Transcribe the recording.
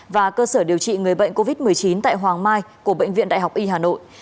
và cơ sở điều trị người bệnh covid một mươi chín tại hoàng mai của bệnh viện đại học y hà nội